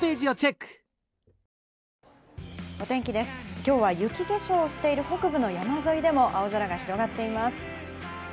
今日は雪化粧をしている北部の山沿いでも青空が広がっています。